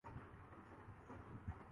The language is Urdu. جی ڈی پی کا پانچ فیصد تعلیم کو دیا جائے